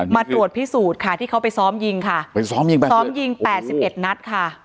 มาตรวจพิสูจน์ค่ะที่เขาไปซ้อมยิงค่ะซ้อมยิง๘๑นัดค่ะ